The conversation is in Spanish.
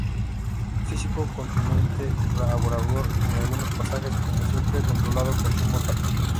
Físico, contundente, abrumador en algunos pasajes, pero siempre controlado con sumo tacto.